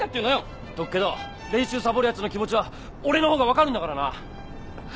言っとくけど練習サボるヤツの気持ちは俺のほうが分かるんだからな！